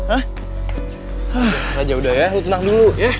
udah aja udah ya lu tenang dulu ya